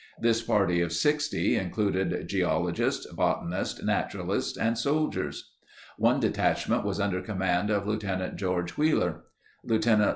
This party of 60 included geologists, botanists, naturalists, and soldiers. One detachment was under command of Lt. George Wheeler. Lt.